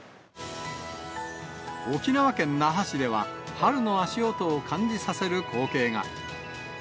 沖縄県那覇市では、春の足音を感じさせる光景が。